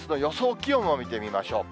気温を見てみましょう。